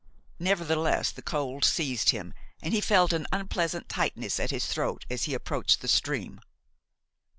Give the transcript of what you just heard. Nevertheless the cold seized him, and he felt an unpleasant tightness at his throat as he approached the stream.